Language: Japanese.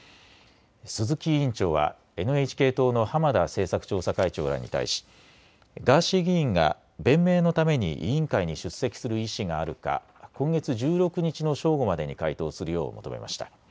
鈴木委員長はＮＨＫ党の浜田政策調査会長らに対しガーシー議員が弁明のために委員会に出席する意思があるか今月１６日の正午までに回答するよう求めました。